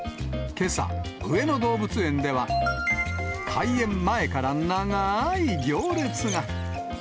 けさ、上野動物園では開園前から長ーい行列が。